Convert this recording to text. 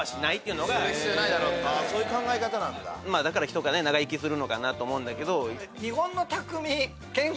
だから人が長生きするのかなと思うんだけど。